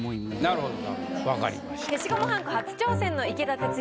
なるほど。